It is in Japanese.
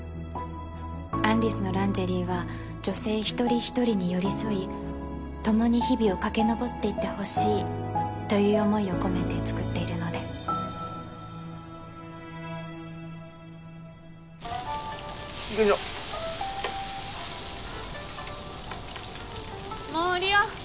アン・リスのランジェリーは女性一人一人に寄り添いともに日々を駆け上っていってほしいという思いを込めて作っているのでよいしょ森生